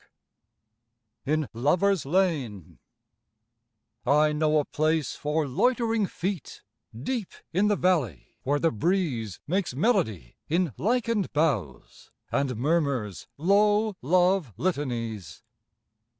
70 IN LOVERS' LANE I KNOW a place for loitering feet Deep in the valley where the breeze Makes melody in lichened boughs, And murmurs low love litanies.